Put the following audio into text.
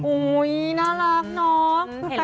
อุ๊ยน่ารักเนอะ